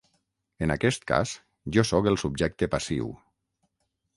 En aquest cas, jo sóc el subjecte passiu.